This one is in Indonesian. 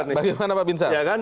bagaimana pak bin sar